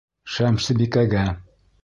Шәмсебикәгә!